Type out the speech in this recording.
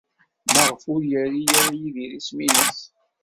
Maɣef ur yuri ara Yidir isem-nnes?